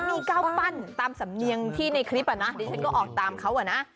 มีเก้าปั้นตามสำเนียงที่ในคลิปอ่ะนะดิฉันก็ออกตามเขาอ่ะนะ